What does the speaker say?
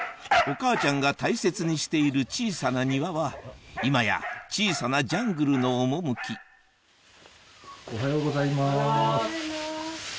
お母ちゃんが大切にしている小さな庭は今や小さなジャングルの趣おはようございます。